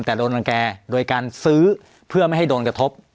แต่โดนรังแก่โดยการซื้อเพื่อไม่ให้โดนกระทบ